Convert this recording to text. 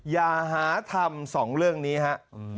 อย่าหาทำ๒เรื่องนี้ฮะ